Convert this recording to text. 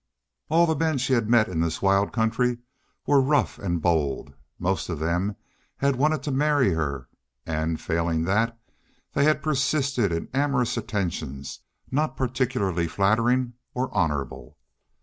All the men she had met in this wild country were rough and bold; most of them had wanted to marry her, and, failing that, they had persisted in amorous attentions not particularly flattering or honorable.